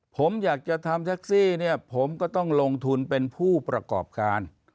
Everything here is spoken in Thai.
ผมอยากจะทำแท็กซี่เนี่ยผมก็ต้องลงทุนเป็นผู้ประกอบการ